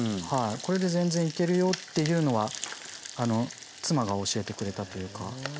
これで全然いけるよっていうのは妻が教えてくれたというか。